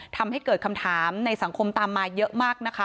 ทำให้เกิดคำถามในสังคมตามมาเยอะมากนะคะ